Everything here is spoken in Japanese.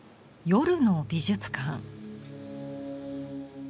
夜の美術館。